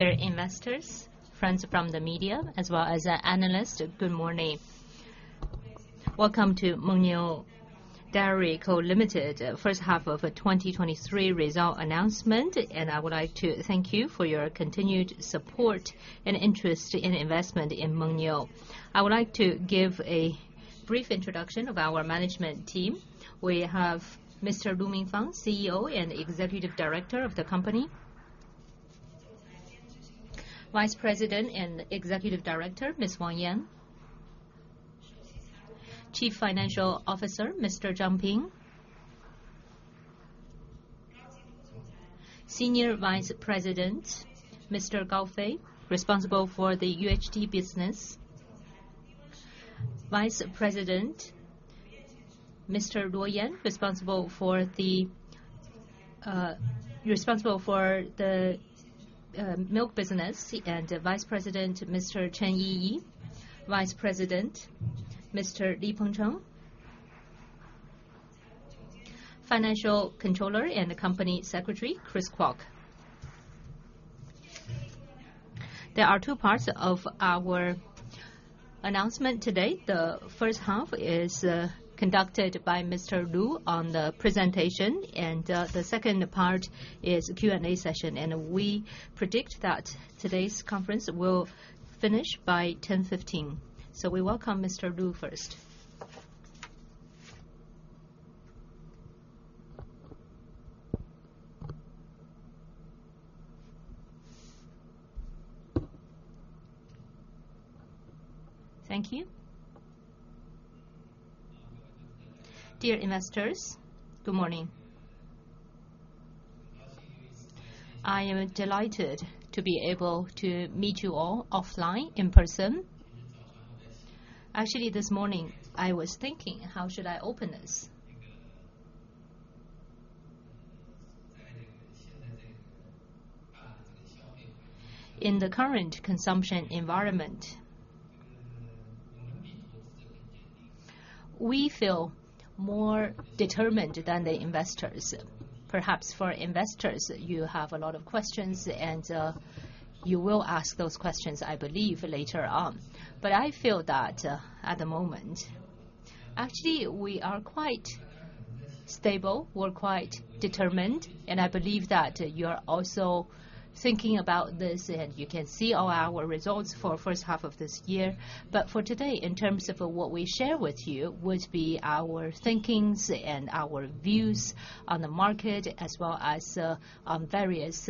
Dear investors, friends from the media, as well as analysts, good morning. Welcome to Mengniu Dairy Co., Limited, first half of 2023 result announcement, and I would like to thank you for your continued support and interest in investment in Mengniu. I would like to give a brief introduction of our management team. We have Mr. Lu Minfang, CEO and Executive Director of the company. Vice President and Executive Director, Ms. Wang Yan. Chief Financial Officer, Mr. Zhang Ping. Senior Vice President, Mr. Gao Fei, responsible for the UHT business. Vice President, Mr. Luo Yan, responsible for the milk business, and Vice President, Mr. Chen Yiyi, Vice President, Mr. Li Pengcheng. Financial Controller and Company Secretary, Chris Kwok. There are two parts of our announcement today. The first half is conducted by Mr. Lu on the presentation, and, the second part is Q&A session. We predict that today's conference will finish by 10:15 A.M. We welcome Mr. Lu first. Thank you. Dear investors, good morning. I am delighted to be able to meet you all offline in person. Actually, this morning, I was thinking, how should I open this? In the current consumption environment, we feel more determined than the investors. Perhaps for investors, you have a lot of questions, and, you will ask those questions, I believe, later on. But I feel that, at the moment, actually, we are quite stable, we're quite determined, and I believe that you are also thinking about this, and you can see all our results for first half of this year. But for today, in terms of what we share with you, would be our thinkings and our views on the market, as well as, on various,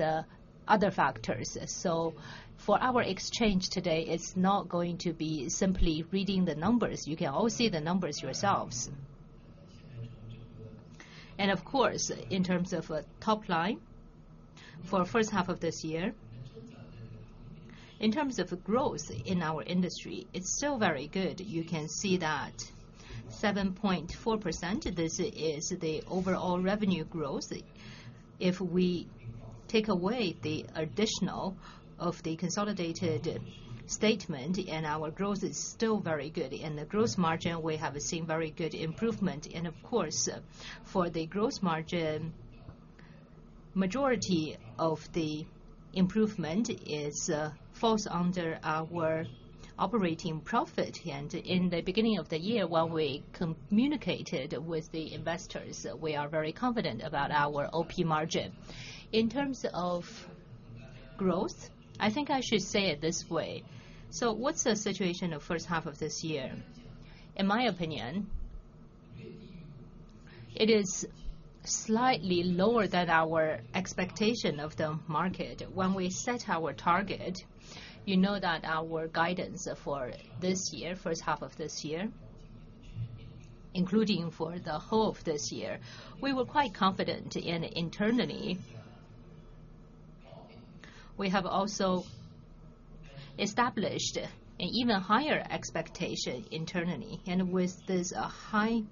other factors. So for our exchange today, it's not going to be simply reading the numbers. You can all see the numbers yourselves. And of course, in terms of, top line, for first half of this year, in terms of growth in our industry, it's still very good. You can see that 7.4%, this is the overall revenue growth. If we take away the additional of the consolidated statement, and our growth is still very good, and the growth margin, we have seen very good improvement. And of course, for the growth margin, majority of the improvement is, falls under our operating profit. In the beginning of the year, when we communicated with the investors, we are very confident about our OP margin. In terms of growth, I think I should say it this way: So what's the situation of first half of this year? In my opinion, it is slightly lower than our expectation of the market. When we set our target, you know that our guidance for this year, first half of this year, including for the whole of this year, we were quite confident and internally. We have also established an even higher expectation internally, and with this high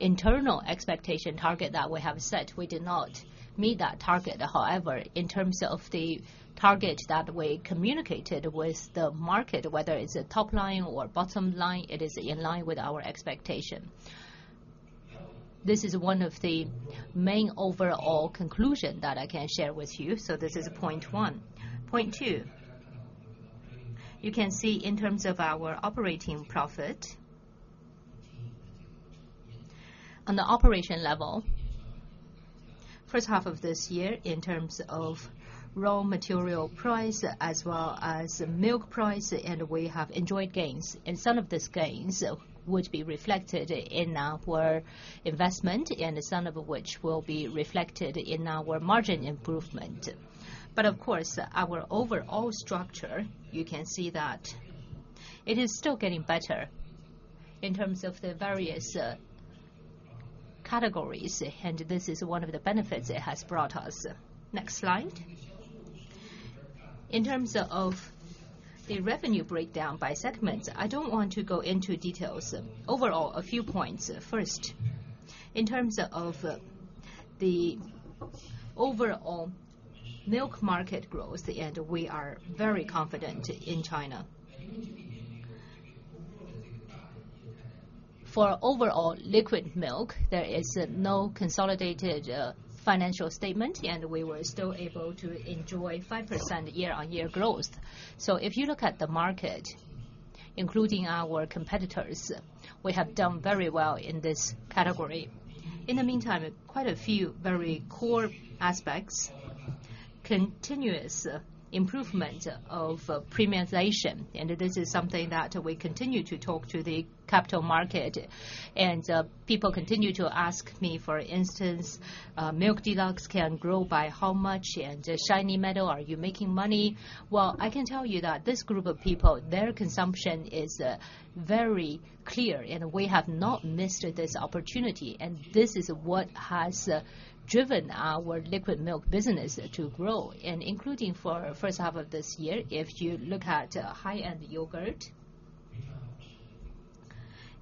internal expectation target that we have set, we did not meet that target. However, in terms of the target that we communicated with the market, whether it's a top line or bottom line, it is in line with our expectation. This is one of the main overall conclusion that I can share with you, so this is point one. Point two, you can see in terms of our operating profit on the operation level, first half of this year, in terms of raw material price, as well as milk price, and we have enjoyed gains. Some of these gains would be reflected in our investment, and some of which will be reflected in our margin improvement. Of course, our overall structure, you can see that it is still getting better in terms of the various categories, and this is one of the benefits it has brought us. Next slide. In terms of the revenue breakdown by segments, I don't want to go into details. Overall, a few points. First, in terms of the overall milk market growth, and we are very confident in China. For overall liquid milk, there is no consolidated financial statement, and we were still able to enjoy 5% year-on-year growth. So if you look at the market, including our competitors, we have done very well in this category. In the meantime, quite a few very core aspects, continuous improvement of premiumization, and this is something that we continue to talk to the capital market. And people continue to ask me, for instance, "Milk Deluxe can grow by how much?" and "Shiny Meadow, are you making money?" Well, I can tell you that this group of people, their consumption is very clear, and we have not missed this opportunity, and this is what has driven our liquid milk business to grow. Including for first half of this year, if you look at high-end yogurt,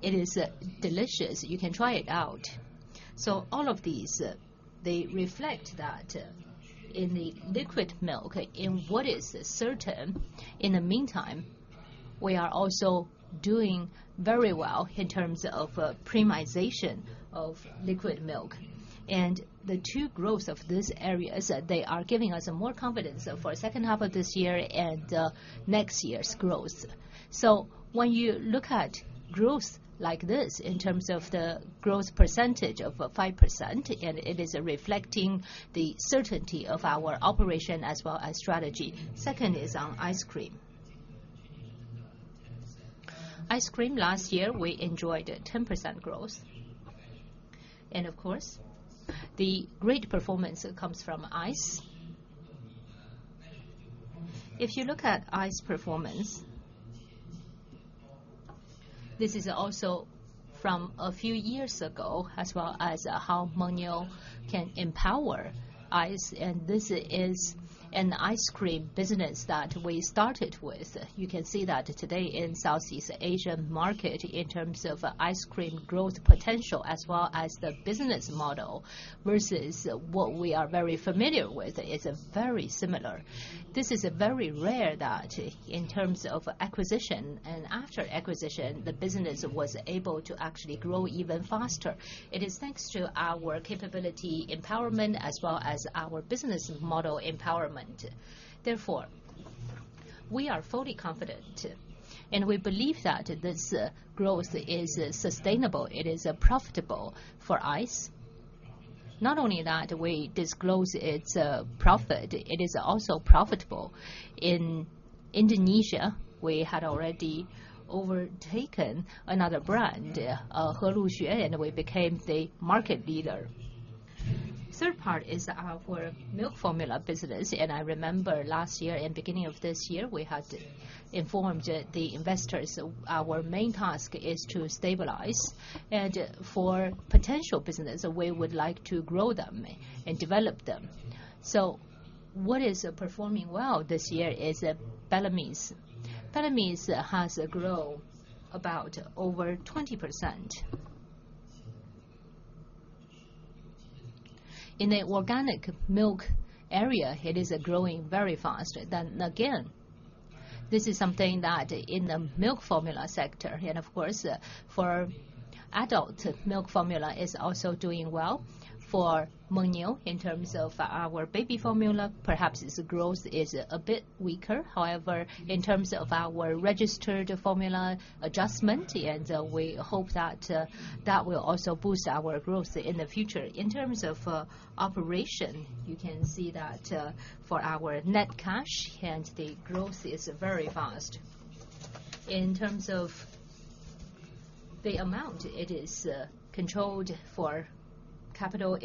it is delicious. You can try it out. So all of these, they reflect that in the liquid milk, in what is certain. In the meantime, we are also doing very well in terms of premiumization of liquid milk. And the two growths of these areas, they are giving us more confidence for second half of this year and next year's growth. So when you look at growth like this, in terms of the growth percentage of 5%, and it is reflecting the certainty of our operation as well as strategy. Second is on ice cream. Ice cream, last year, we enjoyed a 10% growth, and of course, the great performance comes from ice. If you look at Aice performance, this is also from a few years ago, as well as how Mengniu can empower Aice, and this is an ice cream business that we started with. You can see that today in Southeast Asian market, in terms of ice cream growth potential, as well as the business model, versus what we are very familiar with, is very similar. This is very rare that in terms of acquisition and after acquisition, the business was able to actually grow even faster. It is thanks to our capability, empowerment, as well as our business model empowerment. Therefore, we are fully confident, and we believe that this growth is sustainable, it is profitable for Aice. Not only that, we disclose its profit, it is also profitable. In Indonesia, we had already overtaken another brand, Heluxu, and we became the market leader. Third part is our milk formula business, and I remember last year and beginning of this year, we had informed the, the investors our main task is to stabilize, and for potential business, we would like to grow them and develop them. So what is performing well this year is, Bellamy's. Bellamy's has grown about over 20%. In the organic milk area, it is growing very fast. Then again, this is something that in the milk formula sector, and of course, for adult milk formula, is also doing well. For Mengniu, in terms of our baby formula, perhaps its growth is a bit weaker. However, in terms of our registered formula adjustment, and, we hope that, that will also boost our growth in the future. In terms of operation, you can see that for our net cash and the growth is very fast. In terms of the amount, it is controlled for capital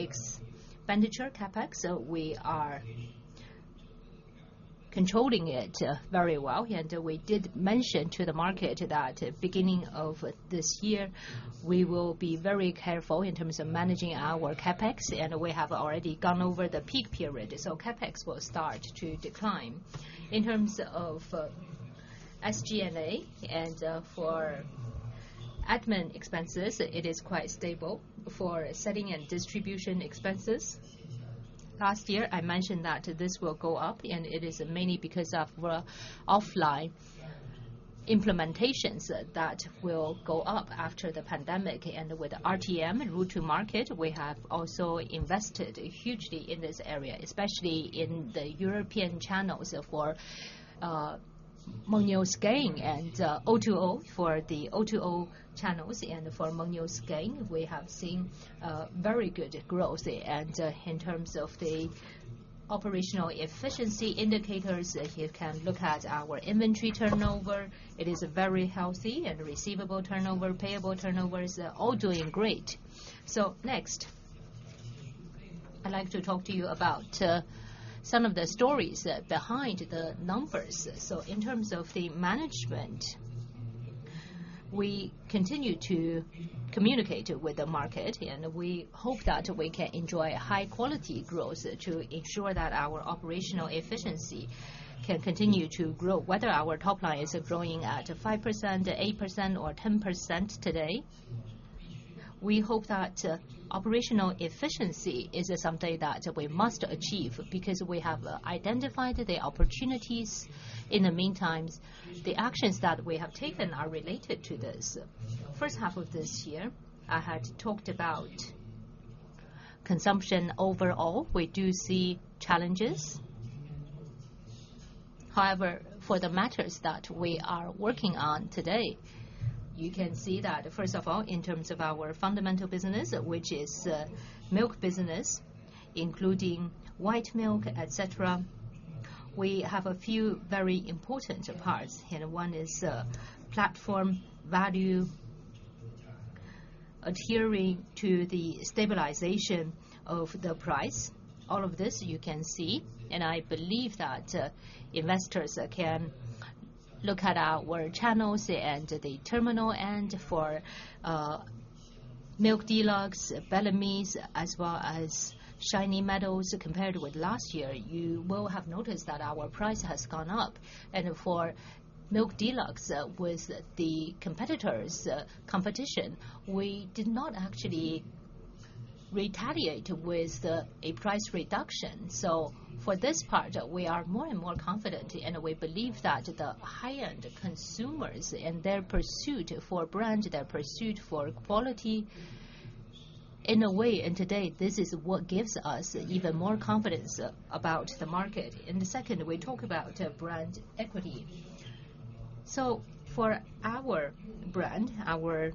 expenditure, CapEx, we are controlling it very well, and we did mention to the market that at beginning of this year, we will be very careful in terms of managing our CapEx, and we have already gone over the peak period, so CapEx will start to decline. In terms of SG&A and for admin expenses, it is quite stable. For selling and distribution expenses, last year, I mentioned that this will go up, and it is mainly because of offline implementations that will go up after the pandemic. With RTM, route to market, we have also invested hugely in this area, especially in the e-commerce channels for Mengniu's gain and O2O. For the O2O channels and for Mengniu's gain, we have seen very good growth. In terms of the operational efficiency indicators, you can look at our inventory turnover. It is very healthy, and receivable turnover, payable turnovers, all doing great. Next, I'd like to talk to you about some of the stories behind the numbers. In terms of the management, we continue to communicate with the market, and we hope that we can enjoy high-quality growth to ensure that our operational efficiency can continue to grow. Whether our top line is growing at 5%, 8%, or 10% today. We hope that operational efficiency is something that we must achieve, because we have identified the opportunities. In the meantime, the actions that we have taken are related to this. First half of this year, I had talked about consumption. Overall, we do see challenges. However, for the matters that we are working on today, you can see that, first of all, in terms of our fundamental business, which is milk business, including white milk, et cetera, we have a few very important parts, and one is platform value adhering to the stabilization of the price. All of this you can see, and I believe that investors can look at our channels and the terminal end for Milk Deluxe, Bellamy's, as well as Shiny Meadow. Compared with last year, you will have noticed that our price has gone up. And for Milk Deluxe, with the competitors, competition, we did not actually retaliate with a price reduction. So for this part, we are more and more confident, and we believe that the high-end consumers and their pursuit for brand, their pursuit for quality, in a way, and today, this is what gives us even more confidence about the market. And the second, we talk about brand equity. So for our brand, our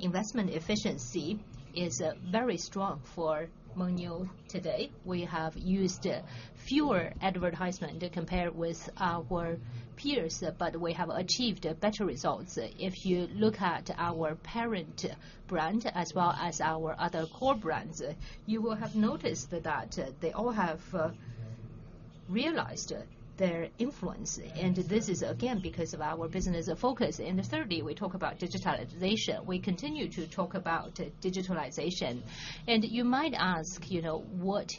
investment efficiency is very strong for Mengniu today. We have used fewer advertisement compared with our peers, but we have achieved better results. If you look at our parent brand, as well as our other core brands, you will have noticed that they all have realized their influence, and this is again, because of our business focus. And thirdly, we talk about digitalization. We continue to talk about digitalization. And you might ask, you know: What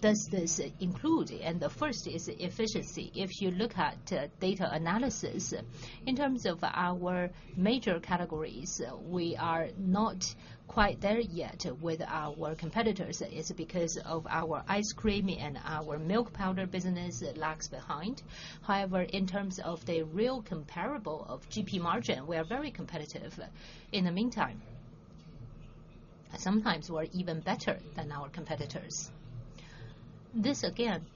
does this include? And the first is efficiency. If you look at data analysis, in terms of our major categories, we are not quite there yet with our competitors. It's because of our ice cream and our milk powder business lags behind. However, in terms of the real comparable of GP margin, we are very competitive. In the meantime, sometimes we're even better than our competitors. This, again,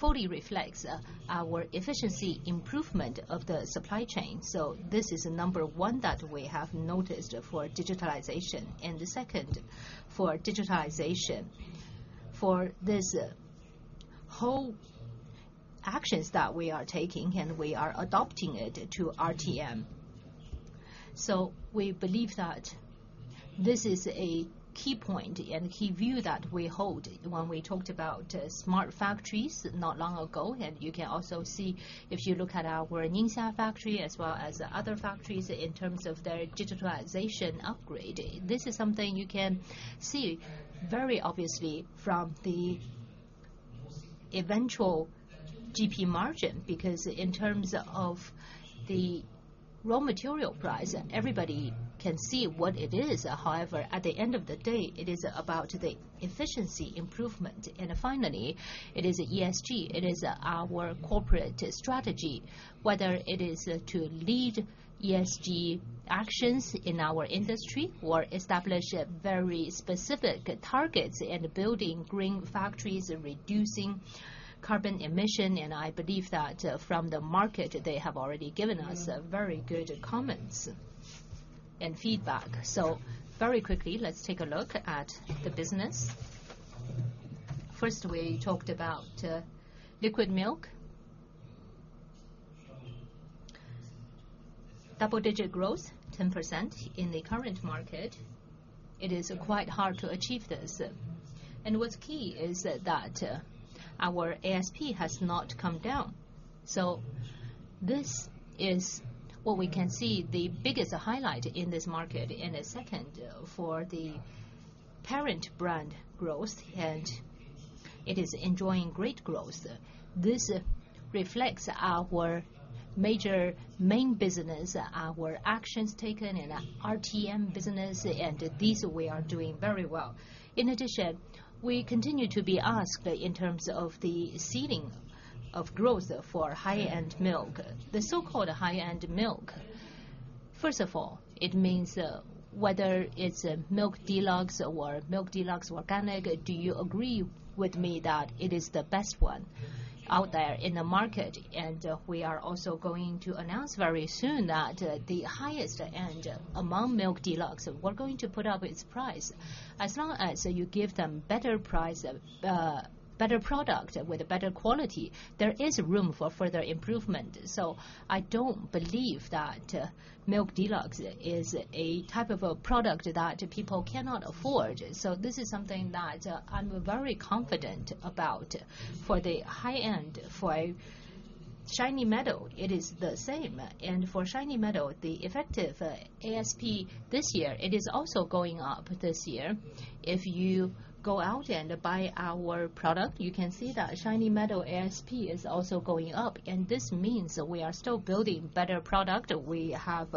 fully reflects our efficiency improvement of the supply chain. So this is number one that we have noticed for digitalization. And the second for digitalization, for this whole actions that we are taking, and we are adopting it to RTM. So we believe that this is a key point and key view that we hold when we talked about smart factories not long ago. And you can also see, if you look at our Ningxia factory, as well as other factories, in terms of their digitalization upgrade, this is something you can see very obviously from the eventual GP margin, because in terms of the raw material price, and everybody can see what it is. However, at the end of the day, it is about the efficiency improvement. And finally, it is ESG. It is our corporate strategy, whether it is to lead ESG actions in our industry or establish very specific targets in building green factories and reducing carbon emission. And I believe that from the market, they have already given us very good comments and feedback. So very quickly, let's take a look at the business. First, we talked about liquid milk. Double-digit growth, 10% in the current market. It is quite hard to achieve this. What's key is that, our ASP has not come down. This is what we can see, the biggest highlight in this market. The second, for the parent brand growth, and it is enjoying great growth. This reflects our major main business, our actions taken in RTM business, and this we are doing very well. In addition, we continue to be asked in terms of the ceiling of growth for high-end milk. The so-called high-end milk, first of all, it means, whether it's a Milk Deluxe or Milk Deluxe Organic, do you agree with me that it is the best one out there in the market? We are also going to announce very soon that, the highest end among Milk Deluxe, we're going to put up its price. As long as you give them better price, better product with a better quality, there is room for further improvement. So I don't believe that, Milk Deluxe is a type of a product that people cannot afford. So this is something that, I'm very confident about. For the high end, for Shiny Meadow, it is the same. And for Shiny Meadow, the effective, ASP this year, it is also going up this year. If you go out and buy our product, you can see that Shiny Meadow ASP is also going up, and this means that we are still building better product. We have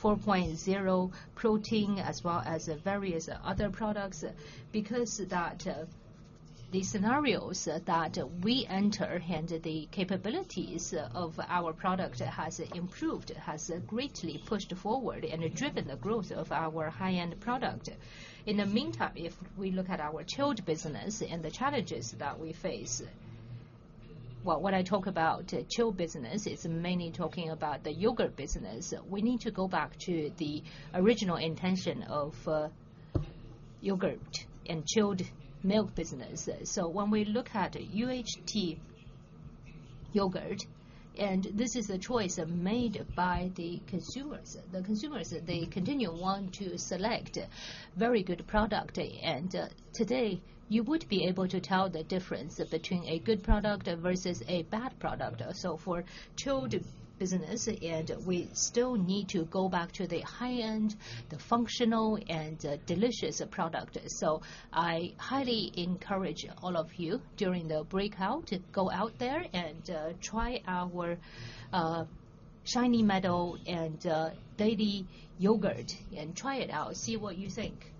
4.0 protein as well as various other products, because that, The scenarios that we enter and the capabilities of our product has improved, has greatly pushed forward and driven the growth of our high-end product. In the meantime, if we look at our chilled business and the challenges that we face, well, when I talk about chilled business, it's mainly talking about the yogurt business. We need to go back to the original intention of yogurt and chilled milk business. So when we look at UHT yogurt, and this is a choice made by the consumers. The consumers, they continue wanting to select very good product, and today, you would be able to tell the difference between a good product versus a bad product. So for chilled business, and we still need to go back to the high-end, the functional, and delicious product. So I highly encourage all of you, during the breakout, go out there and try our Shiny Meadow and Daily Yogurt, and try it out, see what you think.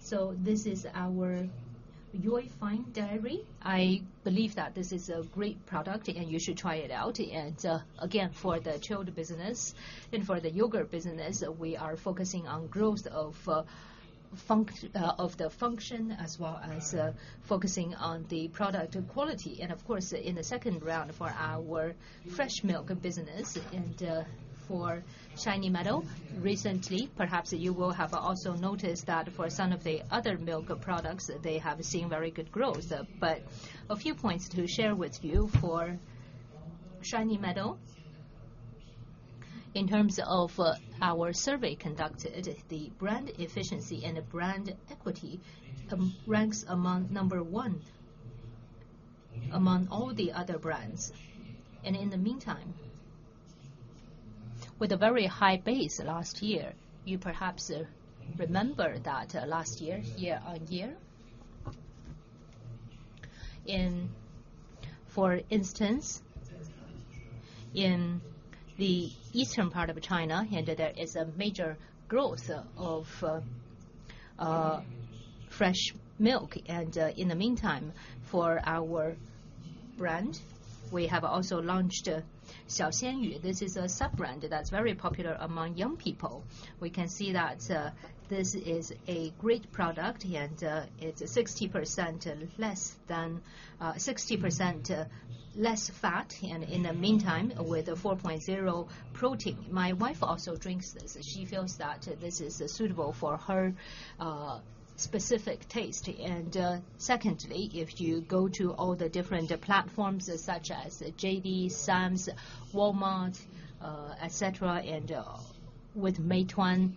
So this is our YO! Fine Dairy. I believe that this is a great product, and you should try it out. Again, for the chilled business and for the yogurt business, we are focusing on growth of the function, as well as focusing on the product quality. Of course, in the second round for our fresh milk business and for Shiny Meadow, recently, perhaps you will have also noticed that for some of the other milk products, they have seen very good growth. But a few points to share with you for Shiny Meadow. In terms of our survey conducted, the brand efficiency and the brand equity ranks among number one among all the other brands. In the meantime, with a very high base last year, you perhaps remember that last year, year on year, in... For instance, in the eastern part of China, there is a major growth of fresh milk. In the meantime, for our brand, we have also launched Xiao Xianyu. This is a sub-brand that's very popular among young people. We can see that this is a great product, and it's 60% less fat, and in the meantime, with a 4.0 protein. My wife also drinks this. She feels that this is suitable for her specific taste. Secondly, if you go to all the different platforms, such as JD, Sam's, Walmart, et cetera, and with Meituan,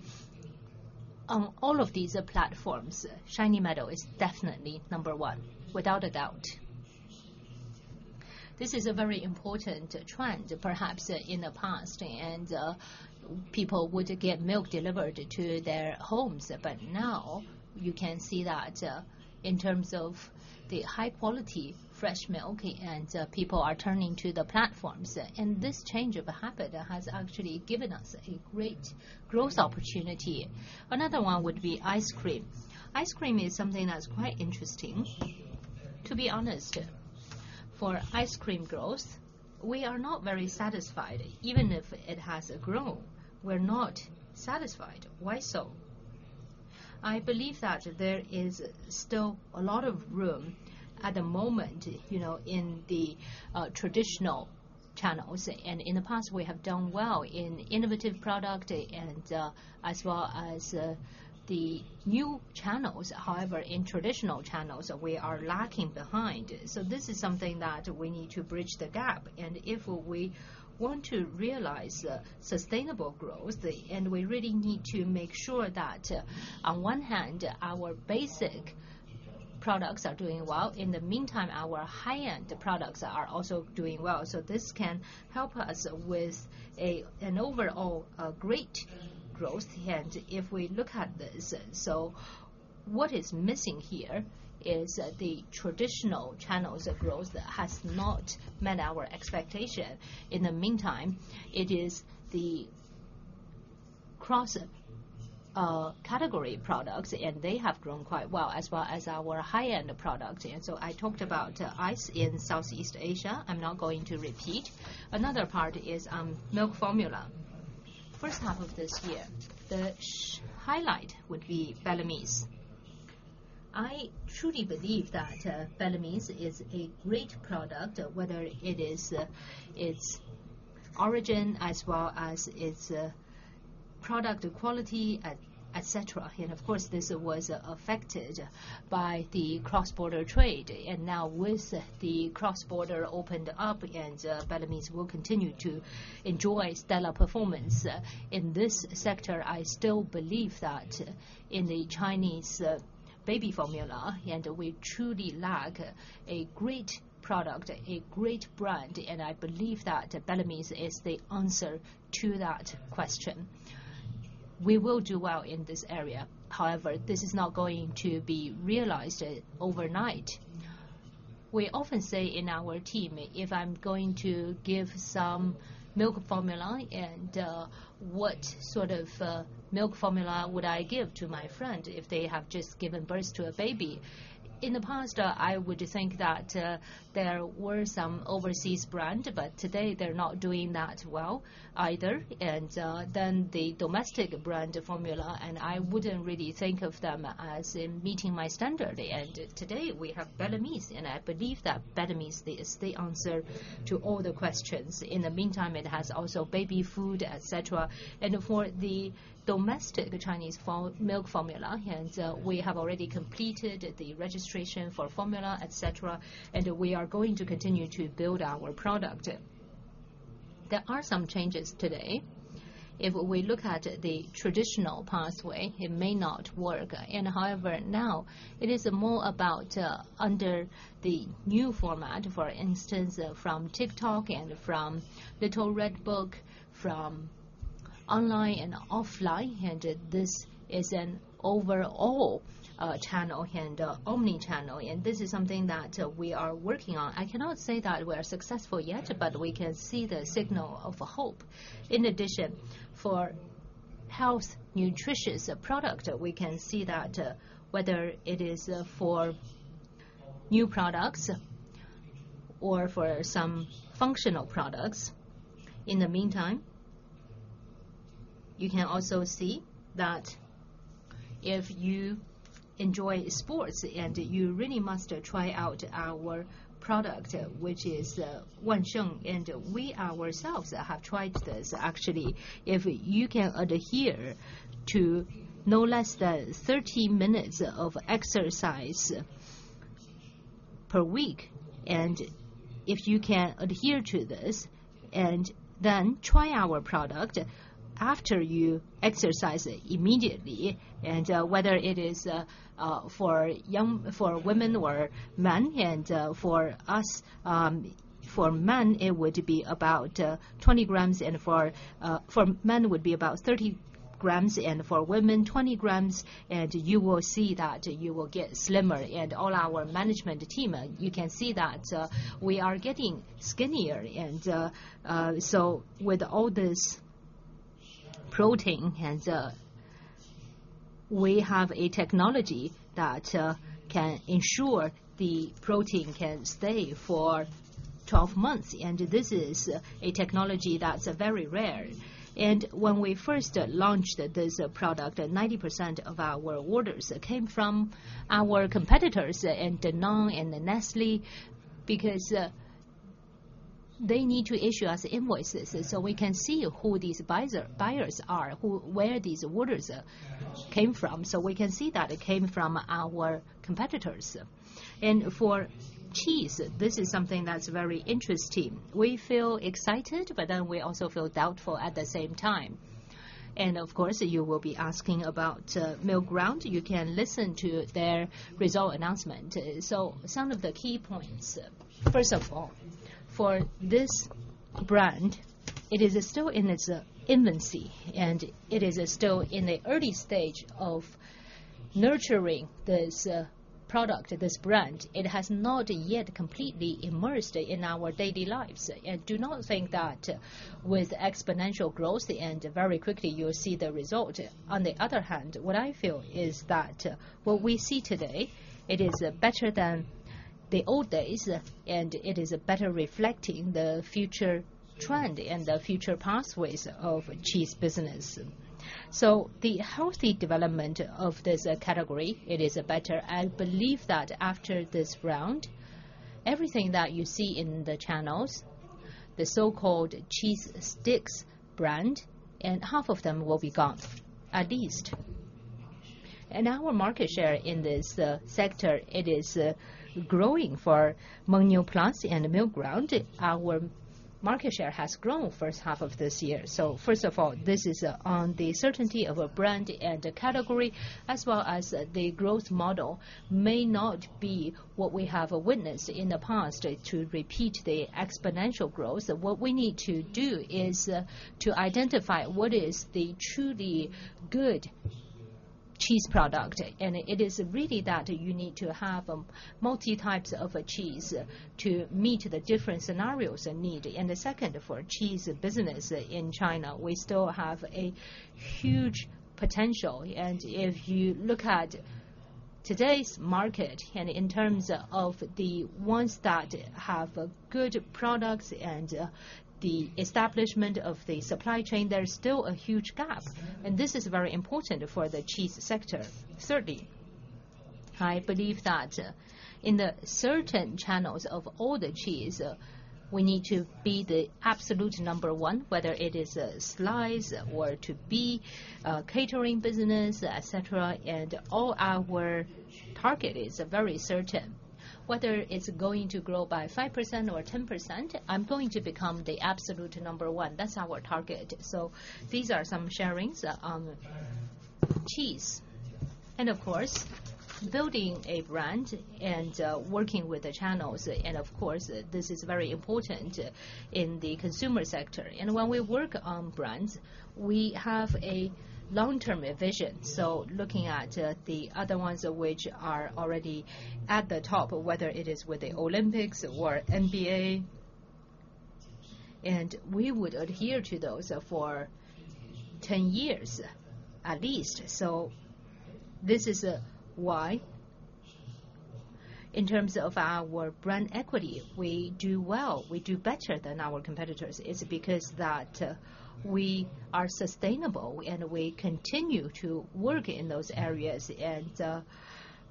on all of these platforms, Shiny Meadow is definitely number one, without a doubt. This is a very important trend. Perhaps in the past, people would get milk delivered to their homes. But now, you can see that, in terms of the high quality fresh milk, and people are turning to the platforms. And this change of habit has actually given us a great growth opportunity. Another one would be ice cream. Ice cream is something that's quite interesting. To be honest, for ice cream growth, we are not very satisfied. Even if it has grown, we're not satisfied. Why so? I believe that there is still a lot of room at the moment, you know, in the traditional channels. And in the past, we have done well in innovative product and, as well as, the new channels. However, in traditional channels, we are lagging behind. So this is something that we need to bridge the gap. And if we want to realize sustainable growth, and we really need to make sure that on one hand, our basic products are doing well, in the meantime, our high-end products are also doing well. So this can help us with an overall great growth. And if we look at this, so what is missing here is the traditional channels of growth has not met our expectation. In the meantime, it is the cross category products, and they have grown quite well, as well as our high-end products. And so I talked about ice in Southeast Asia, I'm not going to repeat. Another part is milk formula. First half of this year, the highlight would be Bellamy's. I truly believe that Bellamy's is a great product, whether it is its origin, as well as its product quality, et cetera. Of course, this was affected by the cross-border trade. Now with the cross-border opened up, and, Bellamy's will continue to enjoy stellar performance. In this sector, I still believe that in the Chinese baby formula, and we truly lack a great product, a great brand, and I believe that Bellamy's is the answer to that question. We will do well in this area. However, this is not going to be realized overnight.... We often say in our team, if I'm going to give some milk formula, and, what sort of milk formula would I give to my friend if they have just given birth to a baby? In the past, I would think that, there were some overseas brand, but today they're not doing that well either. Then the domestic brand formula, and I wouldn't really think of them as in meeting my standard. And today, we have Bellamy's, and I believe that Bellamy's is the answer to all the questions. In the meantime, it has also baby food, et cetera. And for the domestic Chinese milk formula, and we have already completed the registration for formula, et cetera, and we are going to continue to build our product. There are some changes today. If we look at the traditional pathway, it may not work. However, now it is more about under the new format, for instance, from TikTok and from Little Red Book, from online and offline, and this is an overall channel and omni-channel, and this is something that we are working on. I cannot say that we're successful yet, but we can see the signal of hope. In addition, for health nutritious product, we can see that whether it is for new products or for some functional products. In the meantime, you can also see that if you enjoy sports, and you really must try out our product, which is Wansheng, and we ourselves have tried this. Actually, if you can adhere to no less than 30 minutes of exercise per week, and if you can adhere to this, and then try our product after you exercise immediately, and whether it is for women or men, and for us... For men, it would be about 20 grams, and for men, it would be about 30 grams, and for women, 20 grams. You will see that you will get slimmer. All our management team, you can see that, we are getting skinnier. So with all this protein, and, we have a technology that, can ensure the protein can stay for 12 months, and this is a technology that's very rare. And when we first launched this product, 90% of our orders came from our competitors, in Danone and in Nestlé, because, they need to issue us invoices, so we can see who these buyers are, where these orders came from. So we can see that it came from our competitors. And for cheese, this is something that's very interesting. We feel excited, but then we also feel doubtful at the same time. And of course, you will be asking about, Milkground. You can listen to their result announcement. So some of the key points. First of all, for this brand, it is still in its infancy, and it is still in the early stage of nurturing this product, this brand. It has not yet completely immersed in our daily lives. And do not think that with exponential growth and very quickly you'll see the result. On the other hand, what I feel is that, what we see today, it is better than the old days, and it is better reflecting the future trend and the future pathways of cheese business. So the healthy development of this category, it is better. I believe that after this round, everything that you see in the channels, the so-called cheese sticks brand, and half of them will be gone, at least. And our market share in this sector, it is growing for Mengniu plants and Milkground. Our market share has grown first half of this year. So first of all, this is on the certainty of a brand and a category, as well as the growth model may not be what we have witnessed in the past, to repeat the exponential growth. What we need to do is to identify what is the truly good cheese product, and it is really that you need to have multi types of a cheese to meet the different scenarios and need. And the second, for cheese business in China, we still have a huge potential. If you look at today's market, and in terms of the ones that have good products and the establishment of the supply chain, there is still a huge gap, and this is very important for the cheese sector. Thirdly, I believe that in the certain channels of all the cheese we need to be the absolute number one, whether it is slice or to be catering business, et cetera. And all our target is very certain. Whether it's going to grow by 5% or 10%, I'm going to become the absolute number one. That's our target. So these are some sharings on cheese. And of course, building a brand and working with the channels, and of course, this is very important in the consumer sector. And when we work on brands, we have a long-term vision. So looking at the other ones which are already at the top, whether it is with the Olympics or NBA-... And we would adhere to those for ten years, at least. So this is why in terms of our brand equity, we do well, we do better than our competitors. It's because that we are sustainable, and we continue to work in those areas. And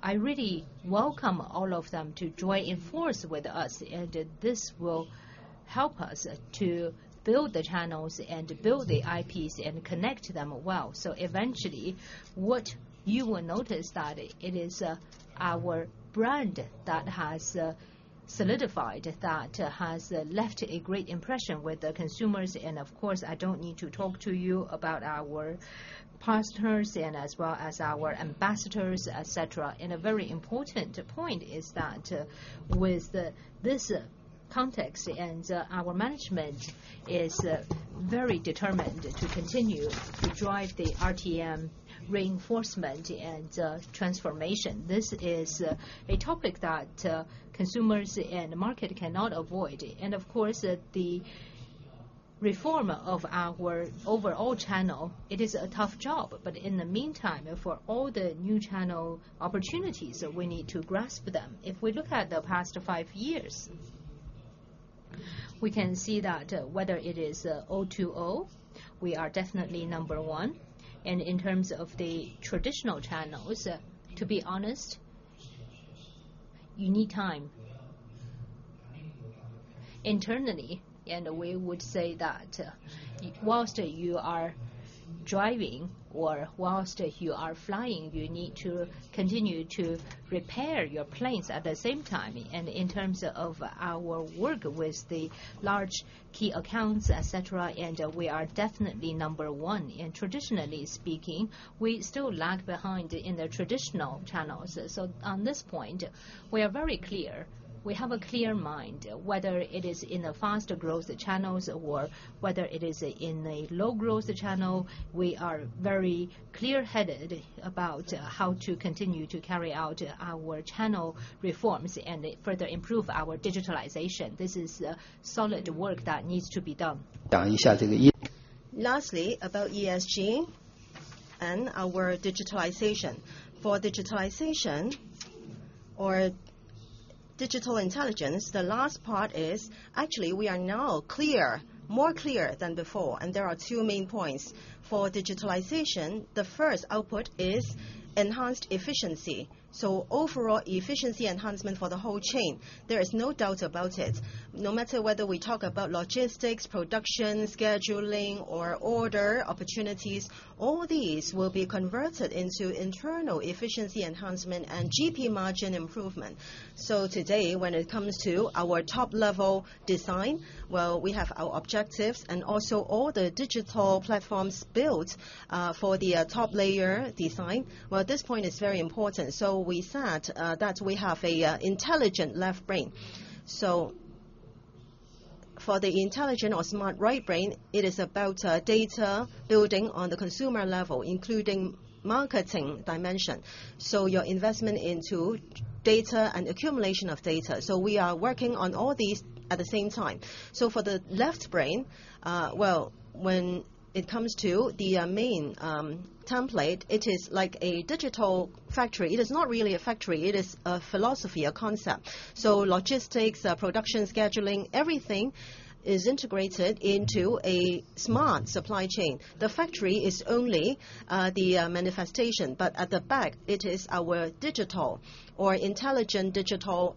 I really welcome all of them to join in force with us, and this will help us to build the channels and build the IPs and connect them well. So eventually, what you will notice that it is our brand that has solidified, that has left a great impression with the consumers, and of course, I don't need to talk to you about our partners and as well as our ambassadors, et cetera. And a very important point is that, with this context and our management is very determined to continue to drive the RTM reinforcement and transformation. This is a topic that consumers and the market cannot avoid. And of course, the reform of our overall channel, it is a tough job, but in the meantime, for all the new channel opportunities, we need to grasp them. If we look at the past five years, we can see that whether it is O2O, we are definitely number one, and in terms of the traditional channels, to be honest, you need time internally, and we would say that whilst you are driving or whilst you are flying, you need to continue to repair your planes at the same time. In terms of our work with the large key accounts, et cetera, and we are definitely number one. And traditionally speaking, we still lag behind in the traditional channels. So on this point, we are very clear. We have a clear mind, whether it is in the faster growth channels or whether it is in a low-growth channel, we are very clear-headed about how to continue to carry out our channel reforms and further improve our digitalization. This is solid work that needs to be done. Lastly, about ESG and our digitalization. For digitalization or digital intelligence, the last part is actually we are now clear, more clear than before, and there are two main points. For digitalization, the first output is enhanced efficiency, so overall efficiency enhancement for the whole chain. There is no doubt about it. No matter whether we talk about logistics, production, scheduling, or order opportunities, all these will be converted into internal efficiency enhancement and GP margin improvement. So today, when it comes to our top-level design, well, we have our objectives and also all the digital platforms built, for the top layer design. Well, this point is very important. So we said, that we have a intelligent left brain. So for the intelligent or smart right brain, it is about data building on the consumer level, including marketing dimension. So your investment into data and accumulation of data. So we are working on all these at the same time. So for the left brain, well, when it comes to the main template, it is like a digital factory. It is not really a factory, it is a philosophy, a concept. So logistics, production, scheduling, everything is integrated into a smart supply chain. The factory is only the manifestation, but at the back, it is our digital or intelligent digital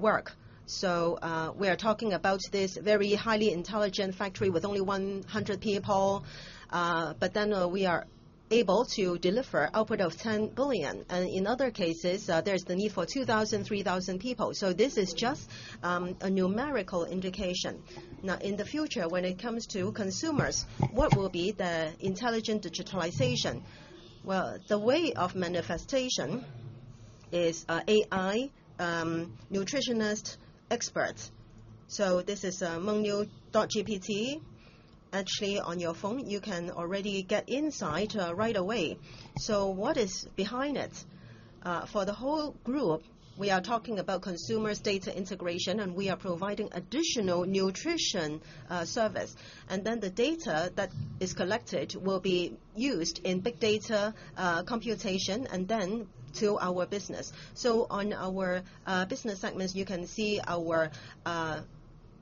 work. So we are talking about this very highly intelligent factory with only 100 people, but then we are able to deliver output of 10 billion. And in other cases, there's the need for 2,000, 3,000 people. So this is just a numerical indication. Now, in the future, when it comes to consumers, what will be the intelligent digitalization? Well, the way of manifestation is AI nutritionist experts. So this is Mengniu GPT. Actually, on your phone, you can already get insight right away. So what is behind it? For the whole group, we are talking about consumers data integration, and we are providing additional nutrition service. And then the data that is collected will be used in big data computation and then to our business. So on our business segments, you can see our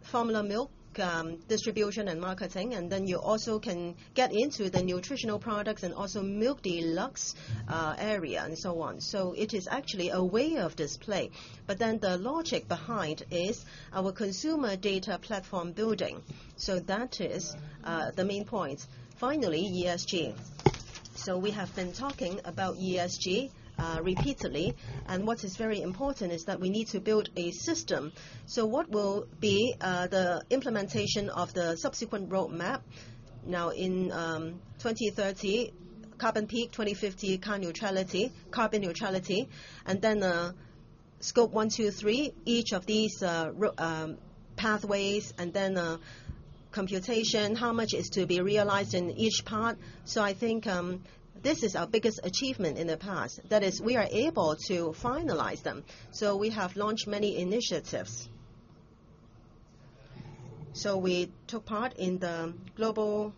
formula milk distribution and marketing, and then you also can get into the nutritional products and also Milk Deluxe area, and so on. So it is actually a way of display. But then the logic behind is our consumer data platform building. So that is the main point. Finally, ESG. So we have been talking about ESG repeatedly, and what is very important is that we need to build a system. So what will be the implementation of the subsequent roadmap? Now in 2030, carbon peak, 2050, carbon neutrality, carbon neutrality, and then scope one, two, three, each of these pathways, and then computation, how much is to be realized in each part? So I think this is our biggest achievement in the past. That is, we are able to finalize them, so we have launched many initiatives. So we took part in the global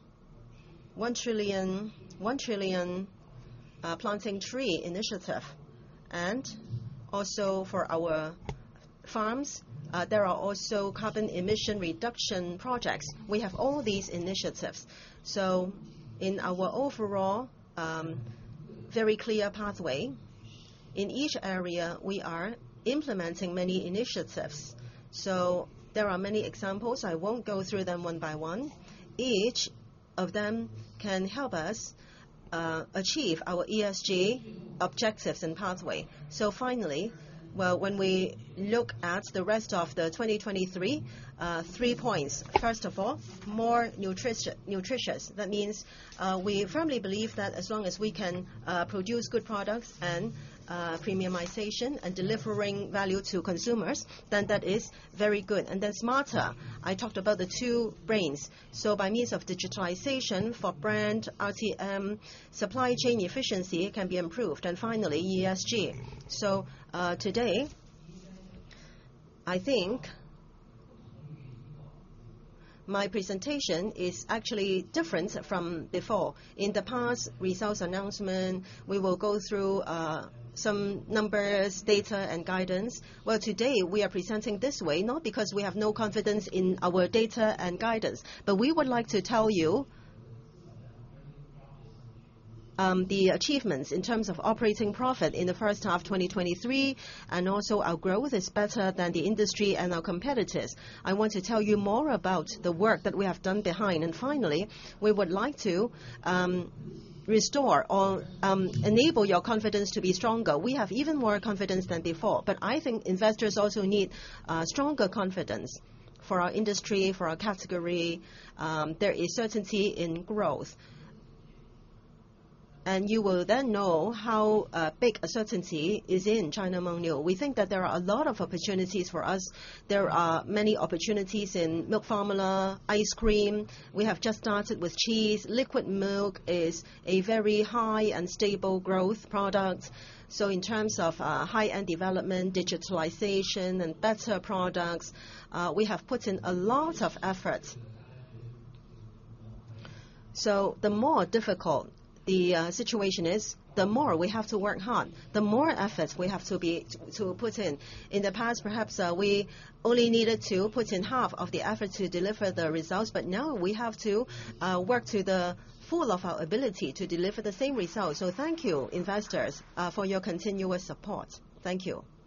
1 trillion, 1 trillion planting tree initiative. And also, for our farms, there are also carbon emission reduction projects. We have all these initiatives. So in our overall very clear pathway, in each area, we are implementing many initiatives. So there are many examples. I won't go through them one by one. Each of them can help us achieve our ESG objectives and pathway. So finally, well, when we look at the rest of the 2023, three points. First of all, more nutritious. That means, we firmly believe that as long as we can produce good products and premiumization and delivering value to consumers, then that is very good. And then smarter, I talked about the two brains. So by means of digitalization for brand RTM, supply chain efficiency can be improved, and finally, ESG. So, today, I think my presentation is actually different from before. In the past results announcement, we will go through some numbers, data and guidance. Well, today, we are presenting this way not because we have no confidence in our data and guidance, but we would like to tell you the achievements in terms of operating profit in the first half 2023, and also our growth is better than the industry and our competitors. I want to tell you more about the work that we have done behind. Finally, we would like to restore or enable your confidence to be stronger. We have even more confidence than before, but I think investors also need stronger confidence for our industry, for our category, there is certainty in growth. You will then know how big a certainty is in China Mengniu. We think that there are a lot of opportunities for us. There are many opportunities in milk formula, ice cream. We have just started with cheese. Liquid milk is a very high and stable growth product. So in terms of high-end development, digitalization, and better products, we have put in a lot of efforts. So the more difficult the situation is, the more we have to work hard, the more efforts we have to put in. In the past, perhaps, we only needed to put in half of the effort to deliver the results, but now we have to work to the full of our ability to deliver the same results. So thank you, investors, for your continuous support. Thank you.